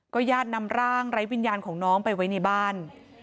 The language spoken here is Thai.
ญาตินำร่างไร้วิญญาณของน้องไปไว้ในบ้าน